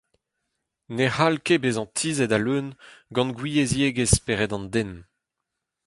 Ne c'hall ket bezañ tizhet a-leun gant gouiziegezh spered an den.